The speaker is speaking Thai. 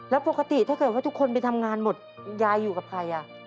แล้วปกติถ้าเกิดว่าทุกคนไปทำงานหมดยายอยู่กับใคร